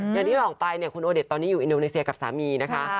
อย่างนี้หลังไปคุณโอเดชน์ตอนนี้อยู่อินโดนีเซียกับสามีนะคะ